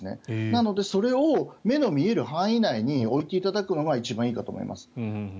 なので、それを目の見える範囲内に置いていただくのが一番いいかと思います。